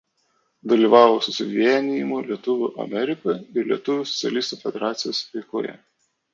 Dalyvavo „Susivienijimo lietuvių Amerikoje“ ir lietuvių socialistų federacijos veikloje.